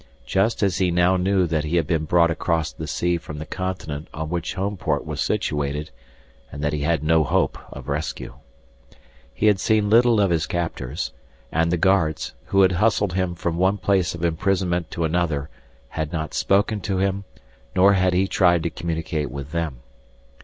Just as he now knew that he had been brought across the sea from the continent on which Homeport was situated and that he had no hope of rescue. He had seen little of his captors, and the guards, who had hustled him from one place of imprisonment to another, had not spoken to him, nor had he tried to communicate with them.